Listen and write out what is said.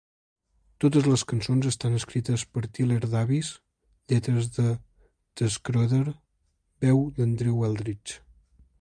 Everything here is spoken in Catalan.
Totes les cançons estan escrites per Tyler Davis, lletres de T. Schroeder, veu d'Andrew Eldritch.